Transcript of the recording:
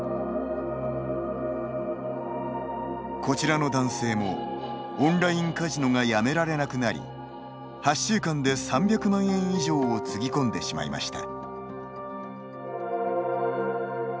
こちらの男性もオンラインカジノがやめられなくなり８週間で３００万円以上をつぎ込んでしまいました。